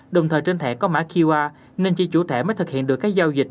đồng thời trên thẻ có mã qr nên chỉ chủ thể mới thực hiện được các giao dịch